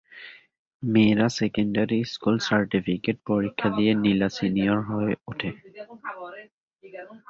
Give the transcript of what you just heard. মেয়েরা secondary school certificate পরীক্ষা দিয়ে লীলা সিনিয়র হয়ে ওঠে।